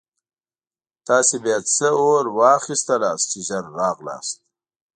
تاسې بیا څه اورا واخیستلاست چې ژر راغلاست.